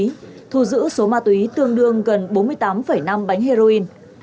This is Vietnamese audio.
thu giữ số ma túy tương đương gần bốn mươi tám năm bánh heroin